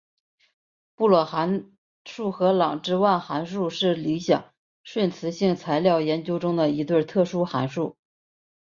布里渊函数和郎之万函数是理想顺磁性材料研究中的一对特殊函数。